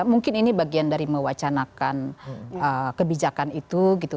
mungkin ini bagian dari mewacanakan kebijakan itu gitu